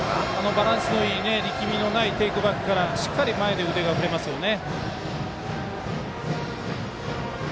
バランスのいい力みのないテイクバックからしっかり前で腕が振れますよね。